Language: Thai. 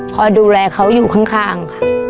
คอยดูแลเขาอยู่ข้างค่ะ